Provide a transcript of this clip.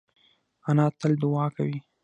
انا تل دعا کوي